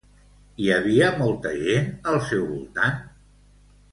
Hi havia molta gent al seu voltant?